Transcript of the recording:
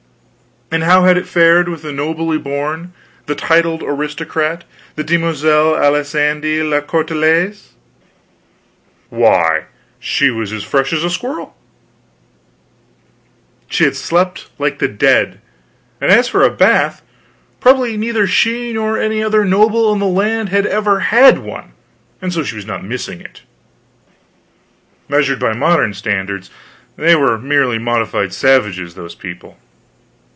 And how had it fared with the nobly born, the titled aristocrat, the Demoiselle Alisande la Carteloise? Why, she was as fresh as a squirrel; she had slept like the dead; and as for a bath, probably neither she nor any other noble in the land had ever had one, and so she was not missing it. Measured by modern standards, they were merely modified savages, those people.